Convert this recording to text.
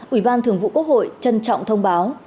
ủy ban thường vụ quốc hội trân trọng thông báo